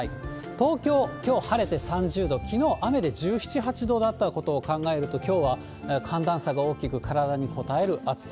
東京、きょう晴れて３０度、きのう雨で１７、８度だったことを考えると、きょうは寒暖差が大きく、体にこたえる暑さ。